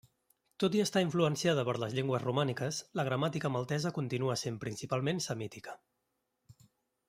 Tot i estar influenciada per les llengües romàniques, la gramàtica maltesa continua sent principalment semítica.